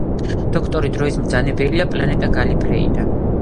დოქტორი დროის მბრძანებელია პლანეტა გალიფრეიდან.